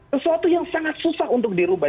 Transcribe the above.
sesuatu yang sangat susah untuk dirubah